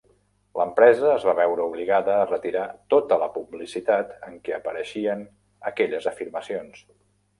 L'empresa es va veure obligada a retirar tota la publicitat en què apareixien aquelles afirmacions.